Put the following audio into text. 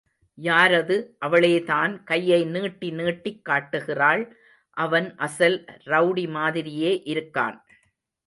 யாரது... அவளேதான்... கையை நீட்டி நீட்டிக் காட்டுகிறாள்... அவன் அசல் ரெளடி மாதிரியே இருக்கான்.